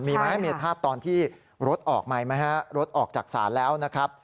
มีทาบตอนที่รถออกออกจากศาลแล้วนะครับ